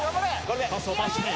パスを回して。